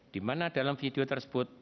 di mana dalam video tersebut